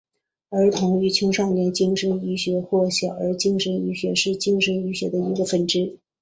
儿童与青少年精神医学或小儿精神医学是精神医学的一个分支。